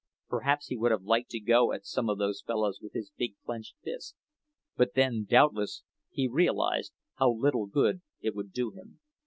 Perhaps he would have liked to go at some of those fellows with his big clenched fists; but then, doubtless, he realized how little good it would do him.